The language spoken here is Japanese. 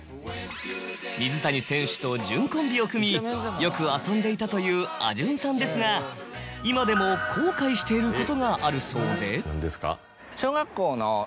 水谷選手とじゅんコンビを組みよく遊んでいたというあじゅんさんですが今でも後悔していることがあるそうで。